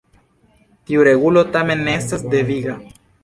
Tiu regulo tamen ne estas deviga.